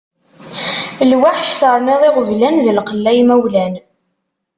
Lweḥc terniḍ iɣeblan d lqella imawlan.